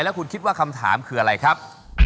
แล้วคุณคิดว่าคำถามคืออะไรครับ